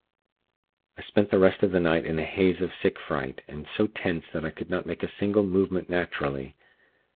"I spent the rest of the night in a haze of sick fright, and so tense that I could not make a single movement naturally.